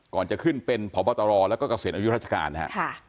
ก่อนจะขึ้นเป็นพตรและก็เกษตรอายุราชการนะฮะ